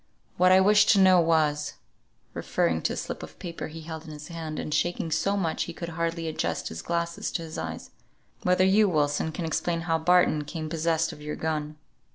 "What I wished to know was," referring to a slip of paper he held in his hand, and shaking so much he could hardly adjust his glasses to his eyes, "whether you, Wilson, can explain how Barton came possessed of your gun.